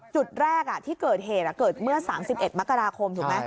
จุดแรกที่เกิดเหตุเกิดเมื่อ๓๑มกราคมถูกไหม